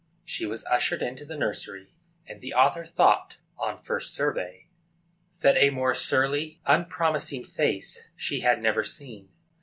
She was ushered into the nursery, and the author thought, on first survey, that a more surly, unpromising face she had never seen.